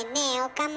岡村。